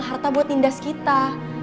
harta buat nindas kita